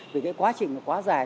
vì cái quá trình nó quá dài